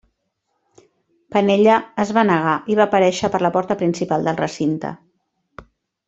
Penella es va negar i va aparèixer per la porta principal del recinte.